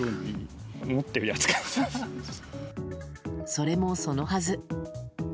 それもそのはず。